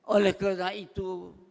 oleh karena itu